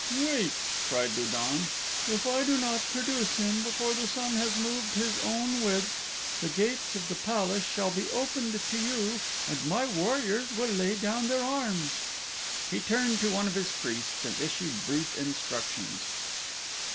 "Wait," cried Lu don. "If I do not produce him before the sun has moved his own width, the gates of the palace shall be opened to you and my warriors will lay down their arms." He turned to one of his priests and issued brief instructions.